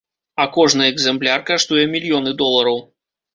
А кожны экземпляр каштуе мільёны долараў.